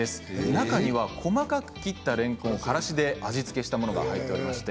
中には細かく切ったれんこんをからしで味付けしたものが入っています。